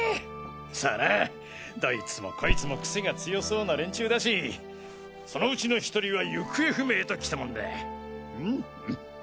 さあなどいつもこいつも癖が強そうな連中だしそのうちの１人は行方不明ときたもんだ。